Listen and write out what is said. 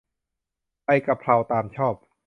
ใบกะเพรา ตามชอบ